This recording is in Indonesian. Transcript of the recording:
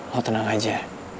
lo tenang aja